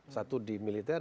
satu di militer